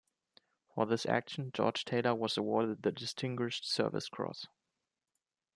For this action, George Taylor was awarded the Distinguished Service Cross.